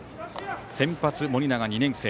先発、盛永、２年生。